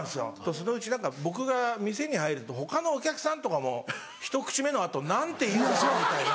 そのうち何か僕が店に入ると他のお客さんとかもひと口目の後何て言うだろうみたいな。